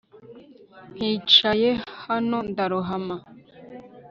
Nkicaye hano ndarohama